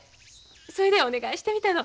それでお願いしてみたの。